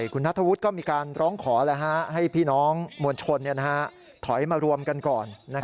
คุณนัทธวุฒิก็มีการร้องขอให้พี่น้องมวลชนถอยมารวมกันก่อน